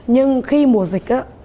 nhưng khi mùa dịch á